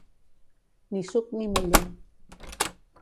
Ni suc ni mulla.